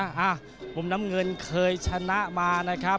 อ่ะมุมน้ำเงินเคยชนะมานะครับ